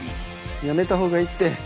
やめた方がいいって。